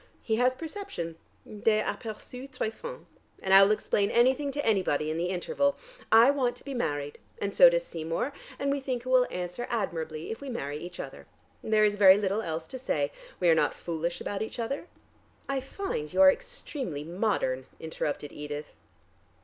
He has perception des aperçus très fins. And I will explain anything to anybody in the interval. I want to be married, and so does Seymour, and we think it will answer admirably if we marry each other. There is very little else to say. We are not foolish about each other " "I find you are extremely modern," interrupted Edith.